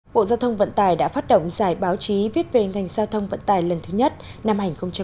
bộ giao thông vận tải đã phát động giải báo chí viết về ngành giao thông vận tải lần thứ nhất năm hai nghìn một mươi chín hai nghìn hai mươi